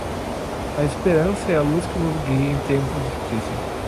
A esperança é a luz que nos guia em tempos difíceis.